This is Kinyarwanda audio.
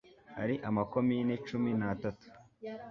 ari ama Komini cumi n atatu